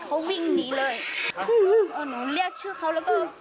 เขาวิ่งหนีเลยหนูเรียกชื่อเขาแล้วก็